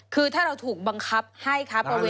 คือถ้าเราถูกบังคับให้ครับ